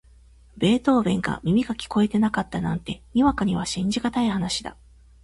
ベートーヴェンが耳が聞こえなかったなんて、にわかには信じがたい話だ。